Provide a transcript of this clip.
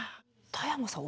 田山さん